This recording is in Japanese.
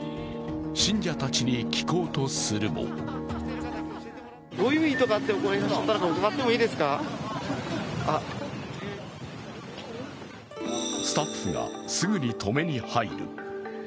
信者たちに聞こうとするもスタッフがすぐに止めに入る。